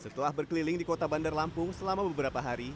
setelah berkeliling di kota bandar lampung selama beberapa hari